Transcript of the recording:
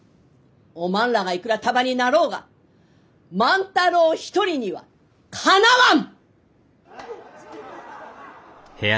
おまんらがいくら束になろうが万太郎一人にはかなわん！